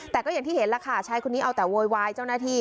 แต่ก็อย่างที่เห็นแล้วค่ะชายคนนี้เอาแต่โวยวายเจ้าหน้าที่